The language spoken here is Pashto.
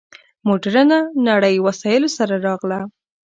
مډرنه نړۍ وسایلو سره راغله.